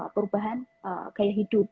perubahan gaya hidup